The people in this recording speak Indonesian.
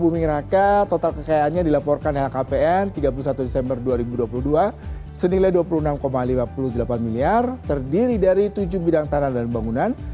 buming raka total kekayaannya dilaporkan lhkpn tiga puluh satu desember dua ribu dua puluh dua senilai rp dua puluh enam lima puluh delapan miliar terdiri dari tujuh bidang tanah dan bangunan